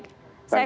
baik saya ke